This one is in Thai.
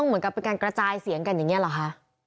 เหมือนกับเป็นการกระจายเสียงกันอย่างนี้หรอคะ